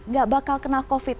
nggak bakal kena covid